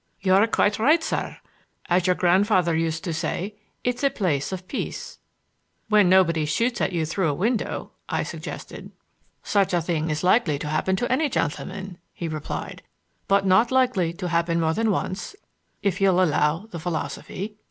"You are quite right, sir. As your grandfather used to say, it's a place of peace." "When nobody shoots at you through a window," I suggested. "Such a thing is likely to happen to any gentleman," he replied, "but not likely to happen more than once, if you'll allow the philosophy."